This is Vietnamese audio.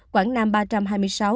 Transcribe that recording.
quảng nam ba trăm hai mươi sáu